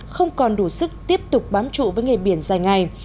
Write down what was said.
không còn đủ sức tiếp tục bám trụ với nghề biển dài ngày